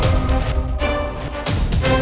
tidak ada apa apa